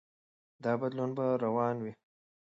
دا بدلون به روان وي.